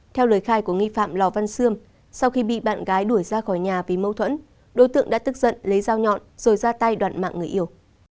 theo lời khai của nghi phạm lò văn xương sau khi bị bạn gái đuổi ra khỏi nhà vì mâu thuẫn đối tượng đã tức giận lấy dao nhọn rồi ra tay đoạn mạng người yêu